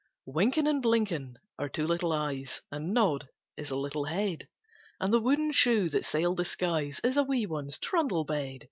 Wynken and Blynken are two little eyes, And Nod is a little head, And the wooden shoe that sailed the skies Is a wee one's trundle bed.